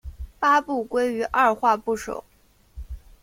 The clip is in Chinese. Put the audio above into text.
八部归于二划部首。